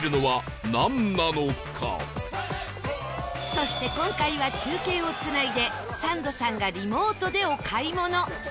そして今回は中継をつないでサンドさんがリモートでお買い物